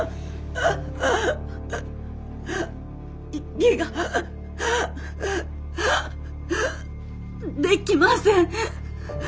息ができません！